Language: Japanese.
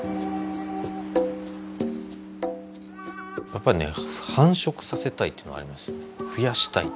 やっぱりね「繁殖させたい」というのがありますよね。